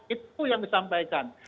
itu yang disampaikan